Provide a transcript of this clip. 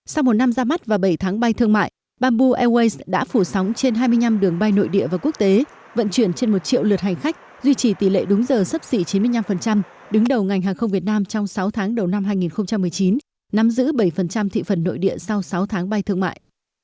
sau một năm ra mắt và bảy tháng bay thương mại bamboo airways đã phủ sóng trên hai mươi năm đường bay nội địa và quốc tế vận chuyển trên một triệu lượt hành khách duy trì tỷ lệ đúng giờ sấp xỉ chín mươi năm đứng đầu ngành hàng không việt nam trong sáu tháng đầu năm hai nghìn một mươi chín nắm giữ bảy thị phần nội địa sau sáu tháng bay thương mại